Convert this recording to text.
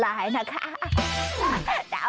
ย่าดาวเก่าอีกย้า